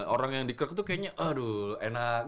orang yang di krek tuh kayaknya aduh enak